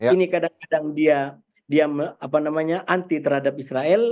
ini kadang kadang dia anti terhadap israel